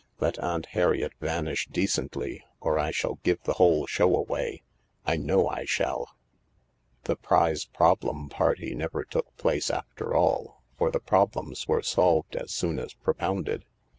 Let Aunt Harriet vanish decently or I shall give the whole show away. I know I shall." THE LARK 261 The prize problem party never took place after all, for the problems were solved as soon as propounded.